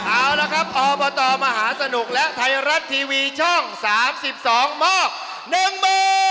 เอาล่ะครับอพมหาสนุกและไทยรัตน์ทีวีช่อง๓๒ม๑ม